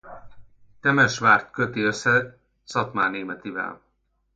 Temesvárt köti össze Szatmárnémetivel.